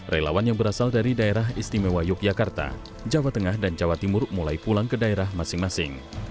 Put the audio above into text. relawan yang berasal dari daerah istimewa yogyakarta jawa tengah dan jawa timur mulai pulang ke daerah masing masing